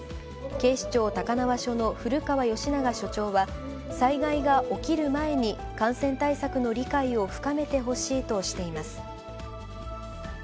警視庁高輪署の古川嘉長署長は、災害が起きる前に感染対策の理解を深めてほしいとしています。